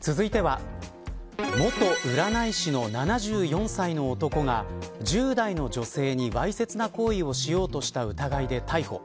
続いては元占い師の７４歳の男が１０代の女性にわいせつな行為をしようとした疑いで逮捕。